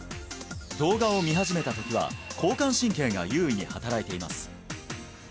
動画を見始めたときは交感神経が優位に働いています